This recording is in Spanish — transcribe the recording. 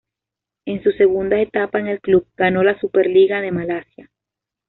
En su segunda etapa en el club ganó la Super Liga de Malasia.